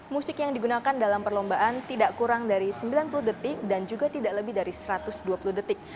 musik yang digunakan dalam perlombaan tidak kurang dari sembilan puluh detik dan juga tidak lebih dari satu ratus dua puluh detik